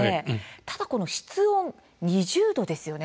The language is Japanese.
ただこの室温２０℃ですよね